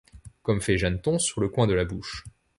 Comme fait Jeanneton, sur le coin de la bouche.